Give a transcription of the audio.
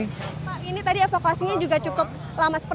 pak ini tadi evakuasinya juga cukup lama